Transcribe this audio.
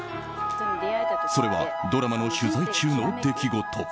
それはドラマの取材中の出来事。